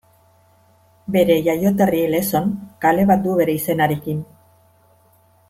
Bere jaioterri Lezon, kale bat du bere izenarekin.